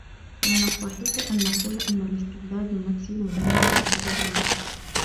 فمن الصحيح أن نقول أن الاستعداد النفسي مهم في هذا العلاج.